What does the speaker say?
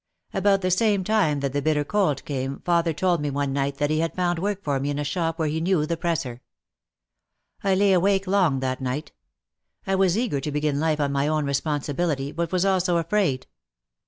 About the same time that the bitter cold came father told me one night that he had found work for me in a shop where he knew the presser. I lay awake long that night. I was eager to begin life on my own responsibility but was also afraid.